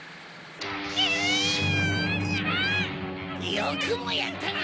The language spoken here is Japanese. よくもやったな！